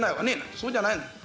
そうじゃないの。